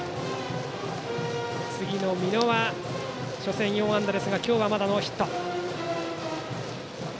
次の美濃は初戦、４安打ですが今日はまだノーヒット。